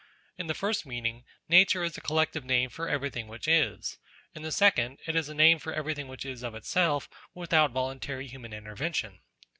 In the first meaning, Nature is a collective name for everything which is. In the second, it is a name for everything which is of itself, without voluntary human intervention.